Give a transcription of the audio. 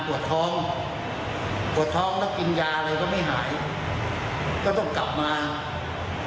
ปวดท้องปวดท้องแล้วกินยาอะไรก็ไม่หายก็ต้องกลับมา